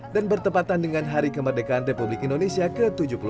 bertepatan dengan hari kemerdekaan republik indonesia ke tujuh puluh tiga